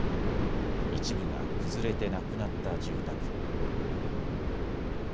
一部が崩れてなくなった住宅。